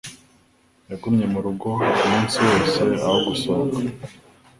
Yagumye mu rugo umunsi wose aho gusohoka.